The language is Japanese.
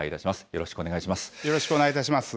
よろしくお願いします。